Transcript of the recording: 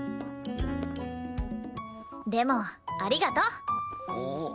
でもありがとう。